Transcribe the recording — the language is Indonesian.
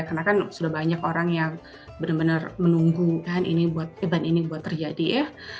karena kan sudah banyak orang yang benar benar menunggu kan event ini buat terjadi ya